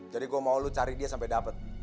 jadi gue mau lo cari dia sampe dapet